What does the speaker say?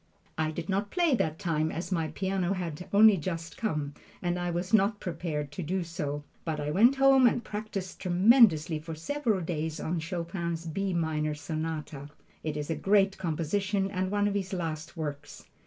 I did not play that time as my piano had only just come, and I was not prepared to do so, but I went home and practised tremendously for several days on Chopin's "B minor sonata." It is a great composition and one of his last works.